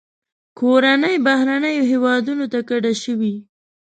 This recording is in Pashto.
کورنۍ بهرنیو هیوادونو ته کډه شوې.